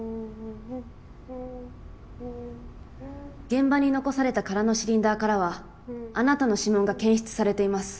現場に残された空のシリンダーからはあなたの指紋が検出されています。